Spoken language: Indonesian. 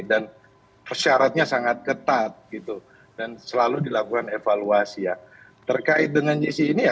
dan persyaratannya sangat ketat gitu dan selalu dilakukan evaluasi ya terkait dengan jisi ini ya